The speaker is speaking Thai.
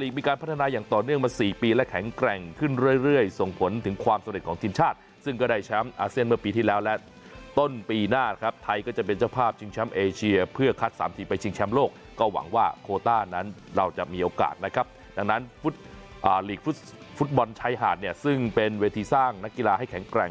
ลีกมีการพัฒนาอย่างต่อเนื่องมา๔ปีและแข็งแกร่งขึ้นเรื่อยส่งผลถึงความสำเร็จของทีมชาติซึ่งก็ได้แชมป์อาเซียนเมื่อปีที่แล้วและต้นปีหน้าครับไทยก็จะเป็นเจ้าภาพชิงแชมป์เอเชียเพื่อคัด๓ทีมไปชิงแชมป์โลกก็หวังว่าโคต้านั้นเราจะมีโอกาสนะครับดังนั้นลีกฟุตบอลชายหาดเนี่ยซึ่งเป็นเวทีสร้างนักกีฬาให้แข็งแกร่ง